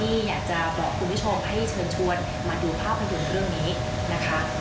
ให้เชิญชวนมาดูภาพให้ดูเรื่องนี้นะคะ